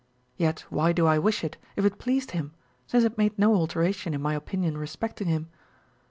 1 Yet why do I wish it if it pleased him, since it made no alteration in my opinion respecting him